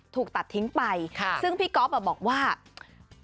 ถูกตัดทิ้งไปซึ่งพี่ก๊อฟบอกว่า